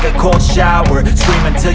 maksudnya gimana sih